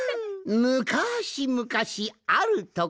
むかしむかしあるところに。